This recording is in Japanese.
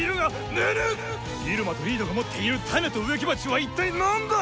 ぬぬっ⁉イルマとリードが持っているタネと植木鉢は一体何だ